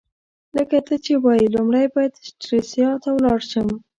لکه ته چي وايې، لومړی باید سټریسا ته ولاړ شم.